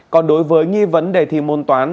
còn đối với nghi vấn đề thi môn toán